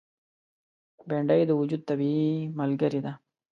بېنډۍ د وجود طبیعي ملګره ده